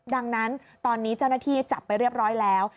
ดังนั้นตอนนี้เจ้าหน้าที่จับไปเรียบร้อยแล้ว